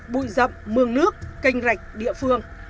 bụi rậm mương nước canh rạch địa phương